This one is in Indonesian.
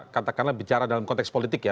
katakanlah bicara dalam konteks politik ya